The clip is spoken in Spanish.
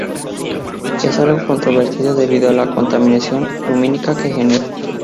Es algo controvertido debido a la contaminación lumínica que genera.